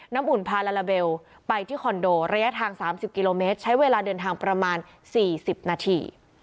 น้ำอุ่นพาลาลาเบลไปที่คอนโดระยะทางสามสิบกิโลเมตรใช้เวลาเดินทางประมาณสี่สิบนาที